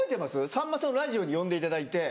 さんまさんのラジオに呼んでいただいて。